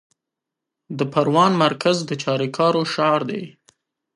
د پروان مرکز د چاریکارو ښار دی